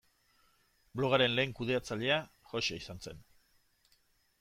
Blogaren lehen kudeatzailea Jose izan zen.